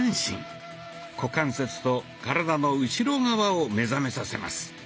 股関節と体の後ろ側を目覚めさせます。